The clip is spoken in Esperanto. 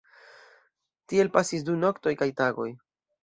Tiel pasis du noktoj kaj tagoj.